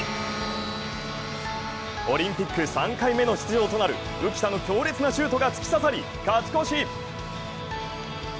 オリンピック３回目の出場となる浮田の強烈なシュートが突き刺さり、勝ち越し。